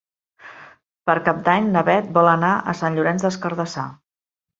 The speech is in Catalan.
Per Cap d'Any na Bet vol anar a Sant Llorenç des Cardassar.